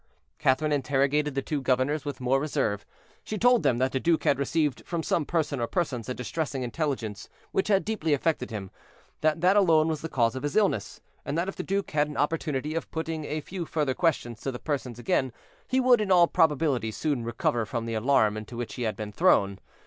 Catherine interrogated the two governors with more reserve. She told them that the duke had received from some person or persons a distressing intelligence which had deeply affected him; that that alone was the cause of his illness, and that if the duke had an opportunity of putting a few further questions to the persons again, he would in all probability soon recover from the alarm into which he had been thrown.